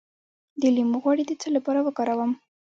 د لیمو غوړي د څه لپاره وکاروم؟